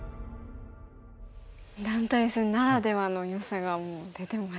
団体戦ならではのよさが出てましたね。